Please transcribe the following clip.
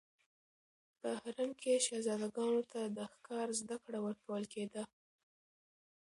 په حرم کې شهزادګانو ته د ښکار زده کړه ورکول کېده.